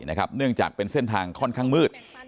เนื่องจากเป็นเส้นทางค่อนข้างมืด